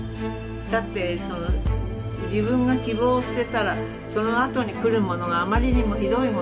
だって自分が希望を捨てたらそのあとに来るものがあまりにもひどいもの